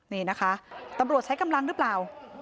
นี่นะคะตำรวจใช้กำลังหรือเปล่า